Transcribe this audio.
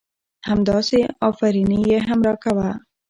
همداسې افرينى يې هم را کوه .